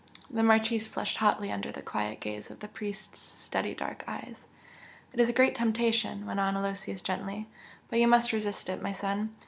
The Marchese flushed hotly under the quiet gaze of the priest's steady dark eyes. "It is a great temptation," went on Aloysius, gently "But you must resist it, my son!